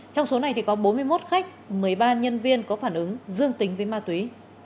trong số này thì có bốn mươi một khách một mươi ba nhân viên có phản ứng dương tính với ma túy